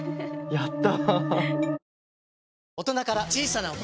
やった。